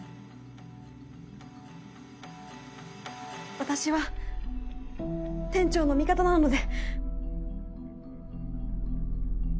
私は店長の味方なので！